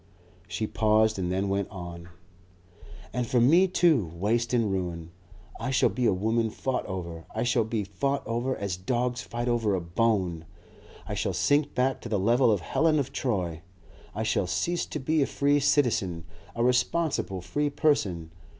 She paused and then went on: "And for me too, waste and ruin. I shall be a woman fought over. I shall be fought over as dogs fight over a bone. I shall sink back to the level of Helen of Troy. I shall cease to be a free citizen, a responsible free person.